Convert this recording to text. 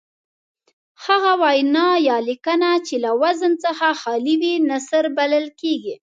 هغه وینا یا لیکنه چې له وزن څخه خالي وي نثر بلل کیږي.